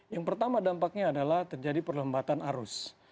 yang pertama dampaknya adalah terjadi perlambatan arus